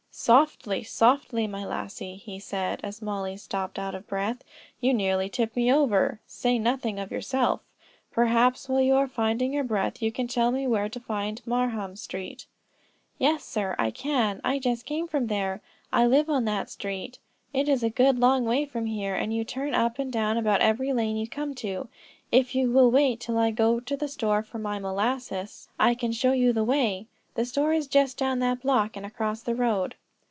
"Softly, softly, my lassie," he said, as Mollie stopped out of breath. "You nearly tipped me over, to say nothing of yourself. Perhaps while you are finding your breath, you can tell me where to find Marham Street." "Yes, sir, I can; I just came from there. I live on that street. It is a good long way from here, and you turn up and down about every lane you come to. If you will wait till I go to the store for my molasses, I can show you the way. The store is just down that block, and across the road."